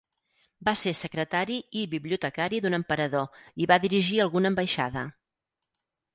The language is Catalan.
Va ser secretari i bibliotecari d'un emperador i va dirigir alguna ambaixada.